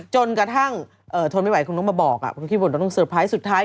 จนกระทั่งทนไม่ไหวคุณต้องมาบอกคุณคิดว่าต้องเซอร์ไพรส์สุดท้าย